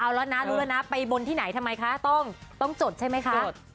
เอาแล้วนะรู้แล้วนะไปบนที่ไหนทำไมคะต้องจดใช่ไหมคะ